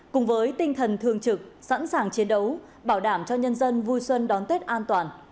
cùng với tinh thần thường trực sẵn sàng chiến đấu bảo đảm cho nhân dân vui xuân đón tết an toàn